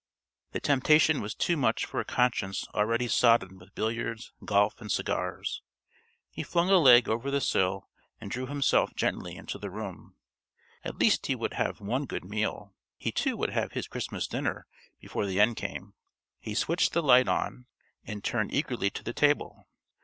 The temptation was too much for a conscience already sodden with billiards, golf and cigars. He flung a leg over the sill and drew himself gently into the room. At least he would have one good meal, he too would have his Christmas dinner before the end came. He switched the light on and turned eagerly to the table.